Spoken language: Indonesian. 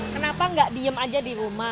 kenapa nggak diem aja di rumah